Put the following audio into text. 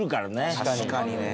確かにね。